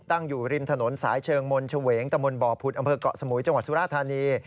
ตั้งอยู่ริมถนนสายเชิงมลชะเวงตมบพุทรอำเภอเกาะสมุยจังหวัดสุรทานี